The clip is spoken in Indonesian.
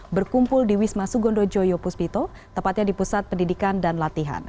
berkumpul di wisma sugondo joyo puspito tepatnya di pusat pendidikan dan latihan